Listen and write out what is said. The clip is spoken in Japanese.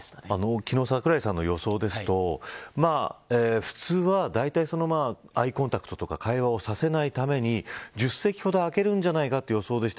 昨日、櫻井さんの予想ですと普通は、だいたいアイコンタクトとか会話をさせないために１０席ほど空けるんじゃないかとの予想でした。